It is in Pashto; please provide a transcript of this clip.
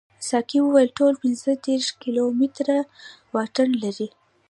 ساقي وویل ټول پنځه دېرش کیلومتره واټن لري.